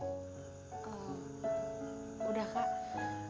oh udah kak